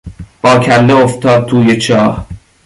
با کله افتاد توی چاه.